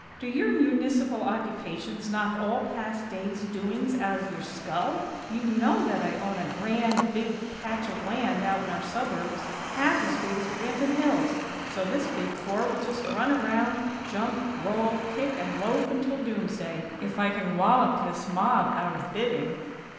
_ Do your Municipal occupations knock all past days' doings out of your skull? You know that I own a grand, big patch of land out in our suburbs, half as big as Branton Hills. So this Big Four will just run around, jump, roll, kick, and loaf until doomsday, if I can wallop this mob out of bidding."